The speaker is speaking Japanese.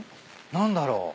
何だろう。